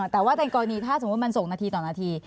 แต่ว่าในกรณีถ้าสมมุติมันส่งนาทีต่อนาที